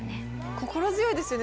心強いですよね